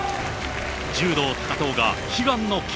柔道、高藤が悲願の金。